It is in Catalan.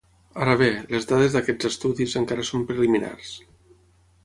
Ara bé, les dades d’aquests estudis encara són preliminars.